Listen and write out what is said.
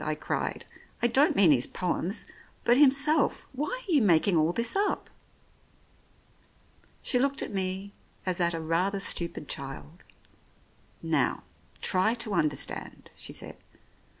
" I cried. " I don't mean his poems, but himself. Why are you making all this up?" She looked at me as at a rather stupid child. "Now, try to understand," she said.